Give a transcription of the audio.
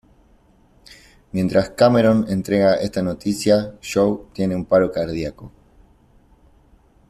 Mientras Cameron entrega esta noticia, Joe tiene un paro cardíaco.